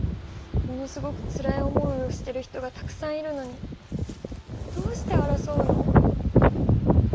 ものすごくつらい思いをしてる人がたくさんいるのにどうして争うの？